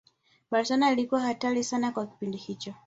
Barcelona ilikuwa hatari sana kwa kipindi hicho